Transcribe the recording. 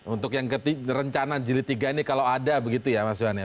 untuk yang rencana jiri tiga ini kalau ada begitu ya maksudnya